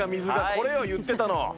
これよ、言ってたの。